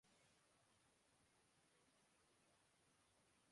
مادی اعتبار سے یہ ایک کامیاب تجربہ تھا